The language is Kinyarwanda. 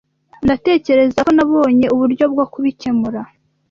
Ndatekereza ko nabonye uburyo bwo kubikemura.